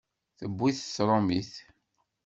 Tewwi-t tṛumit.